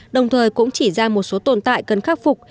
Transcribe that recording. đồng thời cũng chỉ ra một số tồn tại cần khắc phục